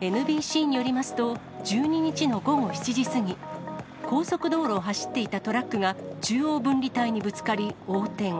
ＮＢＣによりますと、１２日の午後７時過ぎ、高速道路を走っていたトラックが中央分離帯にぶつかり横転。